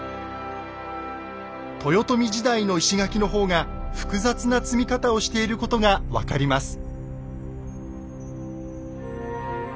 豊臣時代の石垣の方が複雑な積み方をしていることが分かります。